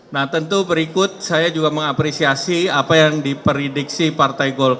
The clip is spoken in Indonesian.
nah tentu berikut saya juga mengapresiasi apa yang diprediksi partai golkar